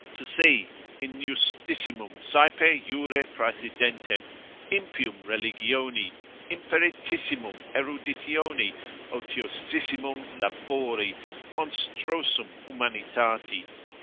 To see injustissimum saepe juri praesidentem, impium religioni, imperitissimum eruditioni, otiosissimum labori, monstrosum humanitati?